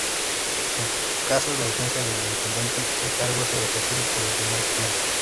En caso de ausencia del Intendente, el cargo es ejercido por el primer suplente.